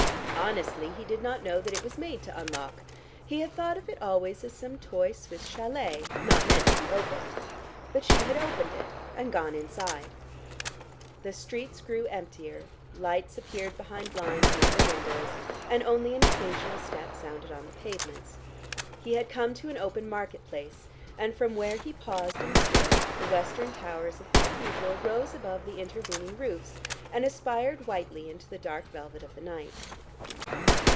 Honestly, he did not know that it was made to unlock: he had thought of it always as some toy Swiss châlet, not meant to be opened. But she had opened it, and gone inside. The streets grew emptier: lights appeared behind blinds in upper windows, and only an occasional step sounded on the pavements. He had come to an open market place, and from where he paused and stood the western towers of the cathedral rose above the intervening roofs, and aspired whitely into the dark velvet of the night.